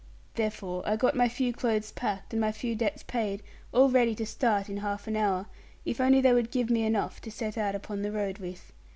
Therefore I got my few clothes packed, and my few debts paid, all ready to start in half an hour, if only they would give me enough to set out upon the road with.